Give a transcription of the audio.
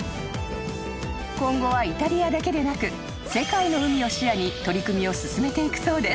［今後はイタリアだけでなく世界の海を視野に取り組みを進めていくそうです］